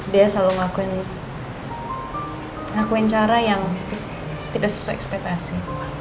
dia selalu ngakuin cara yang tidak sesuai ekspektasi